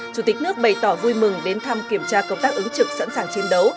chủ tịch nước bày tỏ vui mừng đến thăm kiểm tra công tác ứng trực sẵn sàng chiến đấu